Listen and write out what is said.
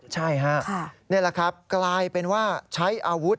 ใช่ฮะนี่แหละครับกลายเป็นว่าใช้อาวุธ